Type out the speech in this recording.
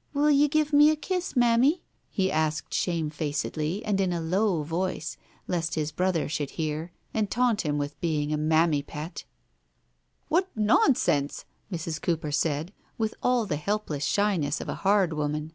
" Will you give me a kiss, Mammy ?" he asked shame facedly and in a low voice, lest his brother should hear, and taunt him for being a "mammy pet." "What nonsense!" Mrs. Cooper said, with all the helpless shyness of a hard woman.